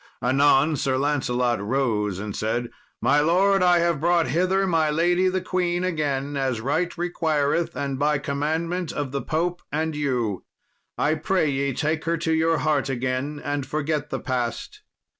Anon Sir Lancelot rose and said, "My lord, I have brought hither my lady the queen again, as right requireth, and by commandment of the Pope and you. I pray ye take her to your heart again and forget the past.